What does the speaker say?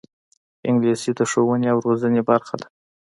انګلیسي د ښوونې او روزنې برخه ده